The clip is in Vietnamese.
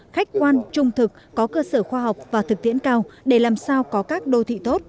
khách quan trung thực có cơ sở khoa học và thực tiễn cao để làm sao có các đô thị tốt